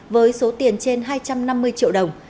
với số tiền trên hai trăm năm mươi triệu đồng